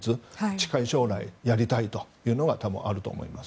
近い将来やりたいというのが多分、あると思います。